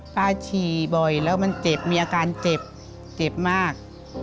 ฉี่บ่อยแล้วมันเจ็บมีอาการเจ็บเจ็บมาก